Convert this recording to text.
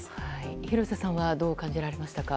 廣瀬さんはどう感じられましたか？